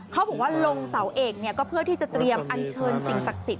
เขาบอกว่าลงเสาเอกเนี่ยก็เพื่อที่จะเตรียมอันเชิญสิ่งศักดิ์สิทธิ